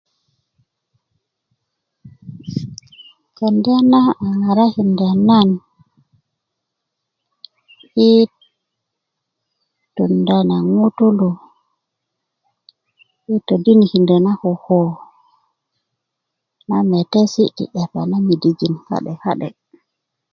kenda na a ŋarakinda nan i tunda na ŋutulu i todinikindö na koko na metesi ti 'depa na midijin ka'de ka'de